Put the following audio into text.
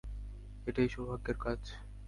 এটাই সৌভাগ্যের কাজ।